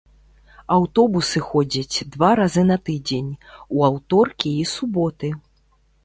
Аўтобусы ходзяць два разы на тыдзень, у аўторкі і суботы.